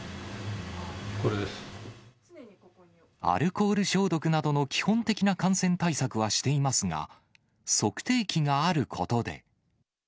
アルコール消毒などの基本的な感染対策はしていますが、測定器があることで。